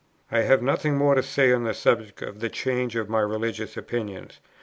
I have nothing more to say on the subject of the change in my religious opinions.